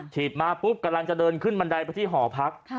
มาปุ๊บกำลังจะเดินขึ้นบันไดไปที่หอพัก